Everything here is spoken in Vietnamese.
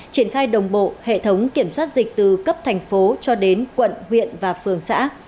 triển khai đồng bộ hệ thống kiểm soát dịch từ cấp thành phố cho đến quận huyện và phường xã